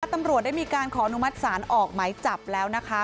ตำรวจได้มีการขออนุมัติศาลออกหมายจับแล้วนะคะ